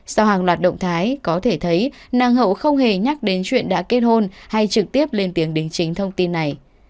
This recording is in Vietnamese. sau hàng loạt động thái có thể thấy nang hậu không hề nhắc đến chuyện đã kết hôn hay trực tiếp lên tiếng đính chính thông tin này